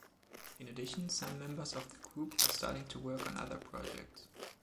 In addition, some members of the group are starting to work on other projects.